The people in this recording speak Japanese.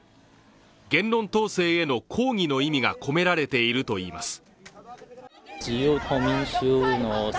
言論統制への抗議の意味が込められているといいます。